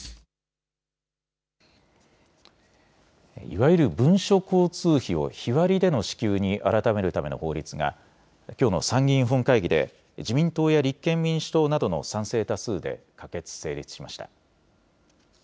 いわゆる文書交通費を日割りでの支給に改めるための法律がきょうの参議院本会議で自民党や立憲民主党などの賛成多数で可決・成立しました。